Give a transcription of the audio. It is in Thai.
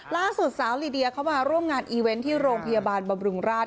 ล่าสุดสาวลีเดียเข้ามาร่วมงานอีเวนต์ที่โรงพยาบาลบำรุงราช